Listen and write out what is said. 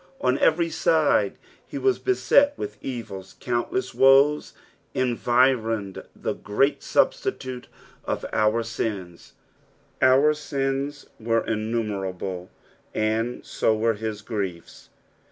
On every side he was beset with enia ; cuunttcss woes environed the great Substitute for our sios. Our BIDS were innumerable, and so were his griefs.